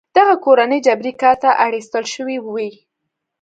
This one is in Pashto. دغه کورنۍ جبري کار ته اړ ایستل شوې وې.